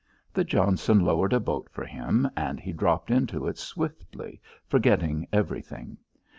The Johnson lowered a boat for him, and he dropped into it swiftly, forgetting everything.